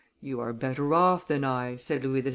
"You are better off than I," said Louis XVI.